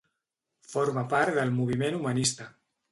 Forma part del Moviment Humanista.